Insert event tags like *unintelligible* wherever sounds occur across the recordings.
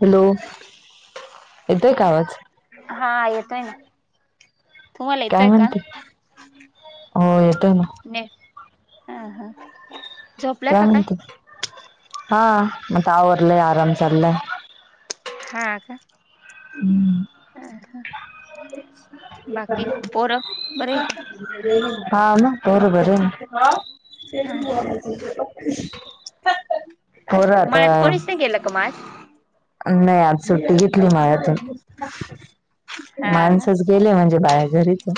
Hello! येतोय का आवाज? हा येतोय ना. तुम्हाला काय येतोय का म्हणते? हो येतोय ना. हा हा. झोपल्या काय का म्हणते? हा आता आवरलंय आराम चालाय. हा का? हा हा. *inaudible* पोरं बरं आहे हा मग, बरोबर आहे. का हा *inaudible* हो राहता. मळ्यात कोणीच नाही गेलं का मग आज नाही आज सुट्टी घेतली मायातून. हा हा माणसच गेले म्हणजे बाया घरीचए.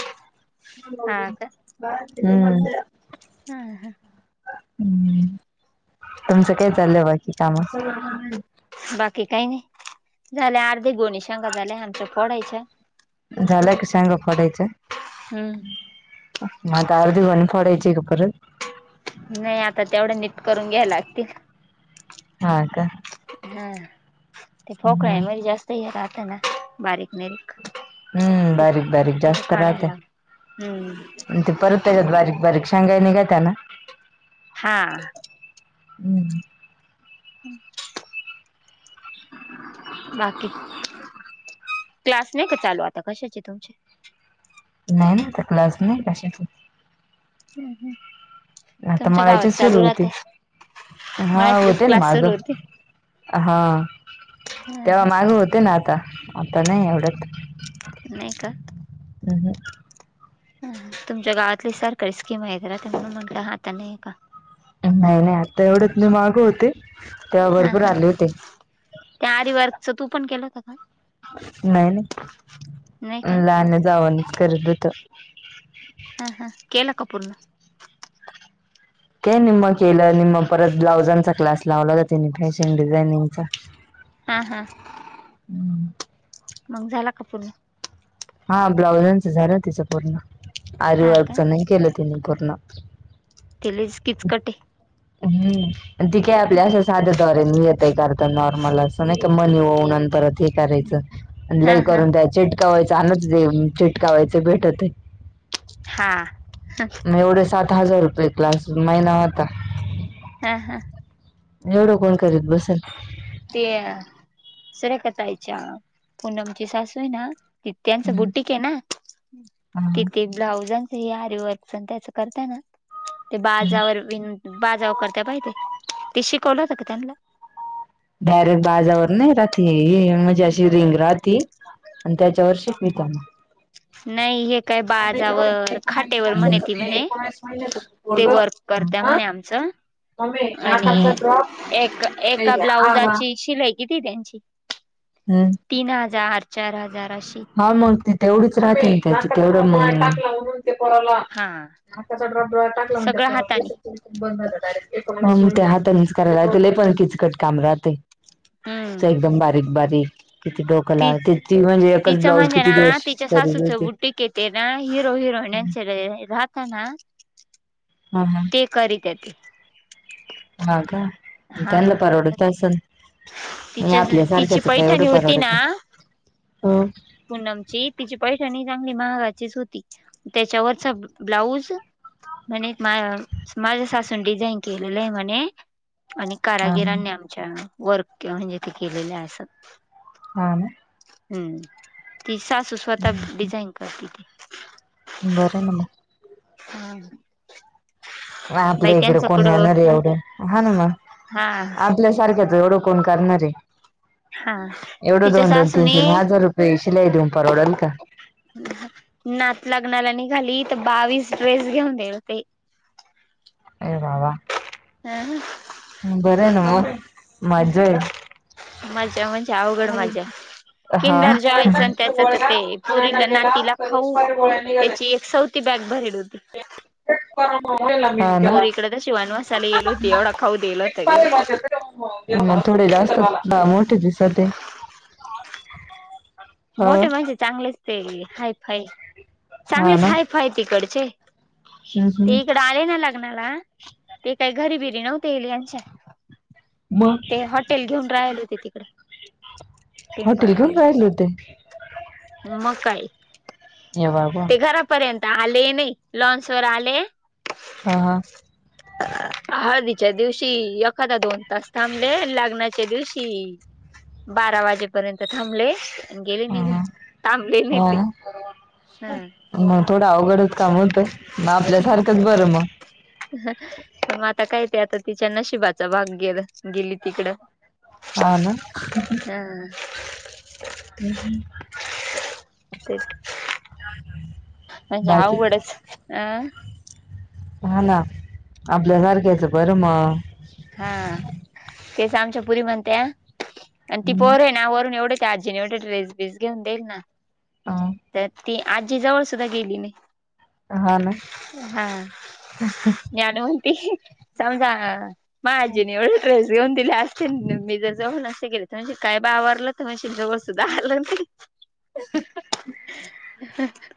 हा का हम्म. हा हा. हम्म, तुमचं काय चाललंय बाकी कामं? बाकी काही नाही, झाल्या अर्ध्या गोणी शेंगा झाल्या आमच्या‌ फोडायच्या. झालाय का शेंगा फोडायच्या? हम्म. मग आता अर्धी गोणी फोडायची का परत? नाही आता तेवढं‌ नीट करून घ्यायला लागतील. हा का? हा, ते फोकळं हम्म आहे मग जास्त हे राहतं ना बारीक. निरीक हम्म ते बारीक बारीक तेवढं जास्त राहतं. काढायला हम्म अन ते परत त्याच्यात बारीक बारीक शेंगा ही निघत ना. हा हम्म. बाकी? क्लास नाही का चालू आता कशाचे तुमचे? नाही ना आता क्लास नाही कशाचे. हम्म हम्म. आता मळायचेच सुरू होतील. हा मळ्यातलेच होते ना क्लास माझं, सुरू होते हा. तेव्हा मागं होते ना आता, आता नाही एवढ्यात. नाही का? हम्म हम्म. हम्म, तुमच्या गावातली सरकारी स्कीम हाय खरं म्हणून म्हटलं, आता नाही का? नाही नाही आता एवढ्यात नाय, माग होते तेव्हा हा भरपूर हा आले होते. त्या आरीवर्कचं तु पण केलं होत का नाही ना, नाही का लहान जावनंच करत होतो. हा हा, केलं का पूर्ण? काय निम्म केलं निम्म परत ब्लाउजांचा क्लास लावला होता तिनी फॅशन डिझायनिंगचा. हा हा, हम्म मग झाला का पूर्ण? हा ब्लाउजांचं झालं तिचं पूर्ण, हा का आरिवर्कचं नाही केलं तिनी पूर्ण. ते लईच किचकट आहे. हम्म, अन ती काय आपल्या असं साध्या दोऱ्यांनी येत तय करता नॉर्मल असं नाही का मनी ओऊन अन परत हे करायचं. हा लय हा करून त्या चिटकवायचं *unintelligible* चिटकवायचं भेटतंय. हा. सात हजार रुपये क्लास महिना होता. हा हा. एवढं कोण करीत बसल. ते अ सुरेखा ताईच्या पूनम ची सासू आहे ना ते त्यांचं बुटीक आहे ना, ती ते ब्लाउजां च आरीवर्कचं अन त्याचं करताय ना, ते बाजावर विन बाजाव करत्या बाई ते, ते शिकवलं होतं का त्यांला डायरेक्ट बाजावर नाही राहत हे, हे म्हणजे अशी रिंग राहती त्याच्यावर शिकवित्या मग. नाही हे काय बाजावर एकोणावीस खाटेवर म्हणे वर्षाचं ती ते म्हणे, एकोणावीस महिन्याचं ते पोरगं वर्क करते हा म्हणे आमचं. मम्मी आणि नाकाचा ड्रॉप एक एका हा ब्लाउजाची शिलाई किती त्यांची? हम् तीन हजार चार हजार अशी. हा मग ती तेवढीच राहते ना त्याची तेवढं मग ते पोराला हा नाकाचा ड्रॉप डोळ्यात टाकला म्हण त्या सगळं पोराला हाताने दिसायचं बंद झालेत. हा म ते हातानेच करायला, ती लय पण किचकट काम राहतंय. हम्म च एकदम बारीक बारीक, किती डोक लावा ती ती म्हणजे एकच च ब्लाऊज म्हणजे किती ना दिवस तिच्या करत सासूचं होती बुटिक येते ना, हिरो हिरोईन्यांचे राहतं ना *inaudible* हा हा ते करिते ती. हा का? म हा त्यांना परवडत असल? म तिच्या आपल्या तिची सारख्याचं काय पैठणी एवढं होती ना परवडत. ह पूनमची तिची पैठणी चांगली महागाचीच होती, त्याच्यावरचा ब्लाउज म्हणे एक मा माझ्या सासूनी डिझाईन केलेलं आहे म्हणे. आणि हा हा कारागिरांनी आमच्या वर्क म्हणजे ते केलेलंय असं. हा ना? हम्म. तिची सासू स्वतः डिझाईन करते ती. बरंय मग. हा. आपल्या इकडे कोणी येणार ए एवढं? हा ना म, हा आपल्यासारख्याच एवढं कोण करणारे? हा एवढं तिच्या दोन दोन तीन सासूने तीन हजार रुपये शिलाई देऊन परवडल का? नात लग्नाला नि झाली तर बावीस ड्रेस घेऊन देइल ते. ए बाबा. *unintelligible* बरं आहे ना मग, मज्जा आहे. मज्जा म्हणजे अवघड मजाय. हा. किंडर जॉयच अन त्याचं तर गोळ्या ते आणायला पोरीला गेला नातीला तर खाऊ एक्सपायरी गोळ्या निघाल्या. त्याची एक सौ ती बॅग भरेल होती. हा ना. पोरीकडे *unintelligible* येल होती एवढा खाऊ देऊ मग थोडे जास्त मोठे दिसते. मोठे म्हणजे चांगलेच ते हायफाय, हा चांगलेच ना हायफाय तिकडचे. हम्म हम्म. ते इकडं आले ना लग्नाला, ते काय घरी बिरी नव्हते इले यांच्या. मग ते हॉटेल घेऊन राहिले होते तिकडं. हॉटेल घेऊन राहिले होते. म काय. ये बाबा ते घरापर्यंत आले ही नाही, लौन्स वर आले हा हा. *unintelligible* हळदीच्या दिवशी एखादा दोन तास थांबले, लग्नाच्या दिवशी बारा वाजेपर्यंत थांबले, अन गेले हा निघून हा. थांबले नाही ते. हा म थोडं अवघडच काम होतं, ना आपल्यासारखंच बरं मग. मग आता काय ते आता तिच्या नशिबाचा भाग गेलं, गेली तिकडं. हा ना. हा हम्म हम्म. तेच, म्हणजे बाकी अवघडच अ. हा ना, आपल्यासारख्याच बरं मग. हा तेच आमच्या पुरी म्हणत्या आणि ती हम्म. पोर आहे ना वरून एवढं त्या आजीने एवढे ड्रेस बिस घेऊन देईल ना, हा तर ती आजीजवळ सुद्धा गेली नाय. हा ना हा, *unintelligible* ती समजा माझ्या आजीने एवढे ड्रेस घेऊन दिले असते, अन मी जर जवळ नसते गेले, तर म्हणेल काय बावारलं तर म्हणशील जवळ सुद्धा आलं नाही. *inaudible*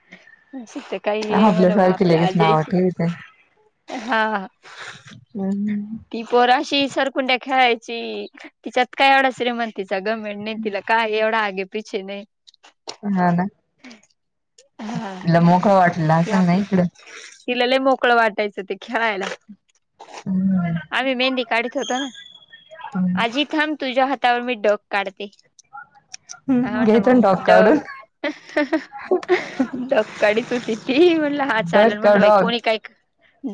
तर काही हे म्हणो बा आपल्यासारखी आपली लगेच आजी हाय नाव ची, ठेवते. हा. हम्म. ची सरकुंड्या खेळायची, तिच्यात काय एवढा श्रीमंतीचा घमंड हाय अन तिला काय एवढा आगे पिछे नाही. हा ना, हा तिला मोकळं वाटलं ती असल ना‌ आपली इथलं. तिला लय मोकळं वाटायचं ते खेळायला, हम्म आम्ही मेहंदी काढीत होतो ना. हम्म. आजी थांब तुझ्या हातावर मी डक काढते. हा म्हटलं घ्यायचं ना डॉग मग काढून डक, डक काढी त होती ती, म्हणलं हा डॉग चालल का म्हणलं बाई, डॉग कोणी काही,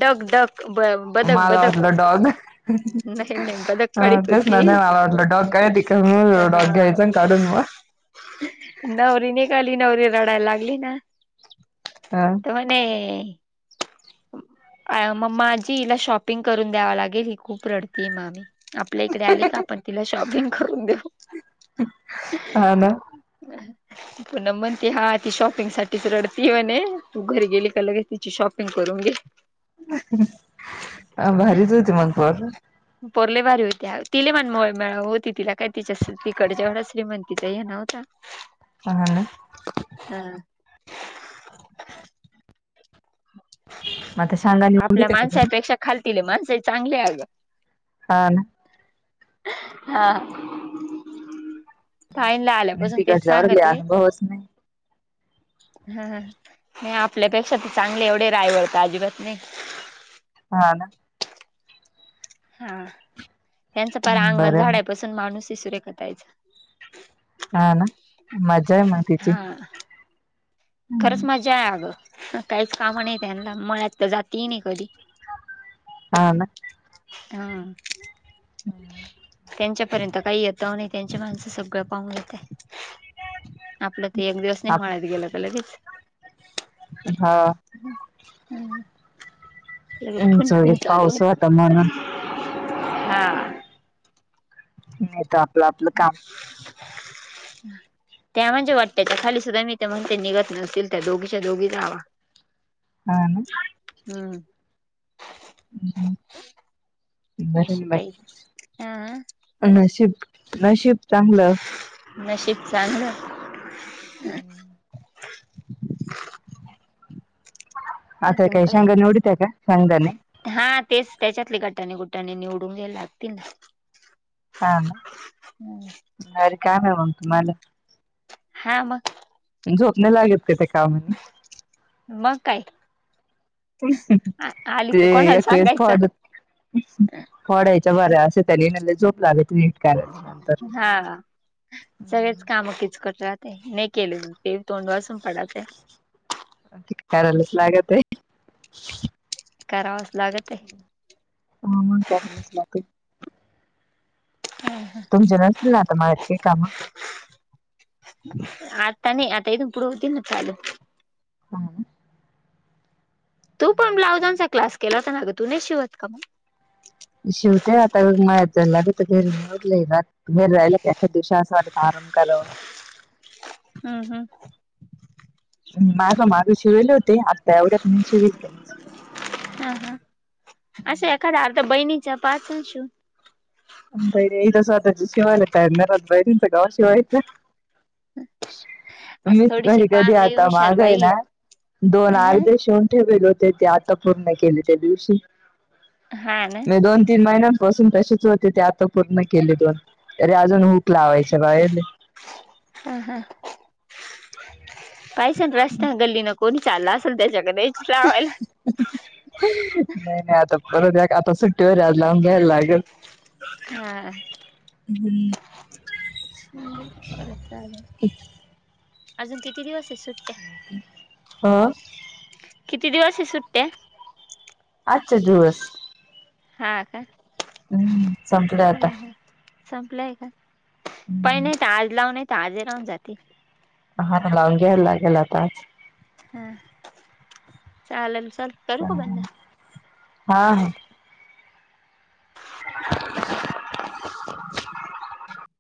डक डक मला वाटलं डॉग, नाही नाही बदक हा काढीत तेच ना नाही होती मला वाटलं डॉग काढ ती का मग डॉग घ्यायचा अन काढून मग. नवरीने गाली नवरी रडायला लागली ना, ह तर म्हणे अ मम्मा आ जीला शॉपिंग करून द्यावा लागेल, ही खूप रडतेय मामी. आपल्या इकडे आले का आपण तिला शॉपिंग करून देऊ. हा ना. पुन्हा म्हणते, हा ती शॉपिंग साठीच रडती म्हणे, तू घरी गेली का लगेच तिची शॉपिंग कर. रून घे. अ भारीच होती मग पोर. पोर लय भारी होती आओ, ती लय मन मे मिळाऊ होती, तिला काय तिच्या स तिकडचं एवढं श्रीमंतीचं हे नव्हतं. हा ना. हा. मग आता सांगाने उडीत आपल्या आहे का तुम्ही माणसापेक्षा खालतील माणसा ही चांगली आहे अगं. हा ना. हा. ताईंला नाही आल्यापासून तेच तिकडच्यावर लय सांगते. अनुभवच नाही नाही आपल्यापेक्षा तर चांगले, एवढे रायवळ तर अजिबात नाही. हा ना. हा, त्यांचं पार अंगण बर झाडायपासुन हाय माणूस सुरेखातायचं. हा ना, मज्जा आहे म तिची. हा खरंच मजा आहे अगं, काहीच कामं नाही त्यांना अन मळ्यात तर जात ही नाही कधी. हा ना. हा. त्यांच्यापर्यंत काही येत नाही, त्यांची माणसं सगळं पाहून घेताय. आपलं ते एक दिवस नाही मळ्यात आप- गेलं तर लगेच हा. हम्म, लगे फन उंच फन वगैरे चालू. पाऊस होता म्हणून हा. नाय तर आपलं आपलं काम. त्या म्हणजे वाटतं त्या खाली सुद्धा मी ते म्हणून ते निघत नसतील त्या दोघीच्या दोघी जावा. हा ना. हम्म. बरंय अशी ना काही बाई, हा नशीब नशीब चांगलं. नशीब चांगलं. हम्म. आता अजून काही? शेंगदाणे उडीत आहे का शेंगदाणे हा तेच त्याच्यातले गटाने गुट टाने निवडून घ्यायला लागतील ना. हा ना, भारी काम आहे मग तुम्हाला. हा मग. झोप नाय लागत का त्या कामानी? *inaudible* आली ते तर कोणाला एक वेळेस खाऊ सांगायचं फोडात फोडायच्या बऱ्या, असे त्यानी ना लय झोप लागते नीट करायला नंतर. हा, सगळेच कामं कीचकट राहातंय, नाही केले ते तोंड वासून पडाच करायलाच लागतंय. करावाच लागतंय. हम्म, करायलाच लागते. तुमचे नसतील ना आता मळ्यात काई कामं? आता नायी, आता इथून पुढं होतील ना चालू. हा ना. तू पण ब्लाउजांचा क्लास केला होता ना गं, तु नाय शिवत का मग? शिवते लय ना, घरी राहिला का एखादं दिवशी असं वाटता आराम करावा. हम्म हम्म. मागं मागं शिवेले हो ते आता एवढ्यात नाई शिवेल काईच, हा हा. हम्म. *unintelligible* शिवून. बई इथे स्वतःचच शिवायला टाइम नई राहत बायकांचं कवा शिवायचं. *inaudible* असं मीच थोडीशी घरी कधी पालय आता हुशार मागं हाय बाई ना, दोन अ अर्धे शिवून ठेवेल होते ते आ ता पूर्ण केले त्यादिवशी, हा ना नई दोन तीन महिन्यांपासून तशेच हो ते, ते आता पूर्ण केले दोन, तरी अजून हुक लावायचे राहेले. हम्म हम्म. पाहिश रस्त्यानं गल्लीन कोणी चालला असेल त्याच्याक द्यायची लावायला. *unintelligible* आहे आता सुट्टीवर ये आज लावून घ्यायला लागल. हा. बरं चालेल, अजून किती दिवसए सुट्ट्या? अ? किती दिवसए सुट्ट्या? आजच्याच दिवस. हा का? हम्म, संपल्या आता. ह ह संपलंय का? पहाय हम्म नाही त आज लाव नयी त आज ही राहून जातील. हा ना लावून घ्यायला लागेल आता आज. हा चालेल चल करू का बंद हा हा. *inaudible*